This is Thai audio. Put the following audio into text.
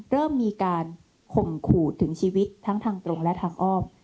เริ่มมีการข่มขู่ถึงชีวิตทั้งทางตรงและทางอ้อม